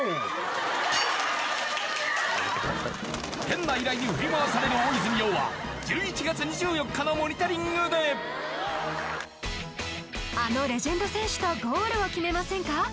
変な依頼に振り回される大泉洋は１１月２４日の「モニタリング」であのレジェンド選手とゴールを決めませんか？